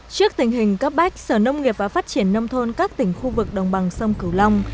trước tình hình cấp bách sở nông nghiệp và phát triển nông thôn các tỉnh khu vực đồng bằng sông cửu long